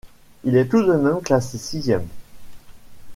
Il est tout de même classé sixième.